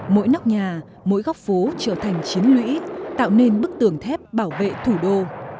mỗi nóc nhà mỗi góc phố trở thành chiến lũy tạo nên bức tường thép bảo vệ thủ đô